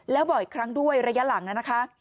แล้วบ่อยครั้งด้วยระยะหลังนะคะ